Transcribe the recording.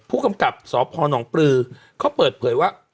ผู้กำกับสพนปลือเขาเปิดเผยว่า